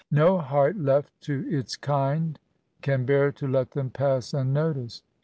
No heart leal to its kind can bear to let them pass unnoticed.